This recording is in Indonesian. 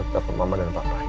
dari mama dan papa ya